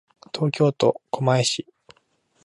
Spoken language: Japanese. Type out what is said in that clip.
東京都狛江市